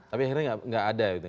tapi akhirnya tidak ada